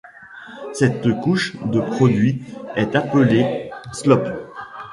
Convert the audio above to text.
Cette couche de produits est appelée slop.